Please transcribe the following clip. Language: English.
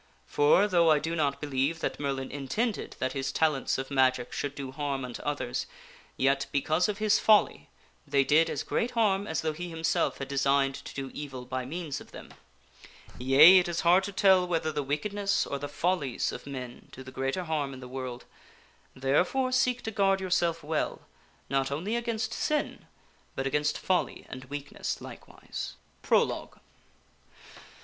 For, though I do not believe that Merlin intended that his talents of magic should do harm unto others, yet, because of his folly, they did as great harm as though he himself had designed to do evil by means of them. Yea ; it is hard to tell whether the wickedness or the follies of men do the greater harm in the world ; therefore seek to guard yourself well, not only against sin, but against folly and weak ness likewise. Prologue.